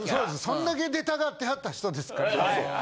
そんだけ出たがってはった人ですから。